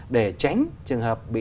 để tránh trường hợp bị